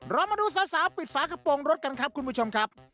เรามาดูสาวปิดฝากระโปรงรถกันครับคุณผู้ชมครับ